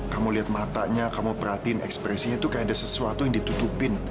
kamu lihat matanya kamu perhatiin ekspresinya tuh kayak ada sesuatu yang ditutupin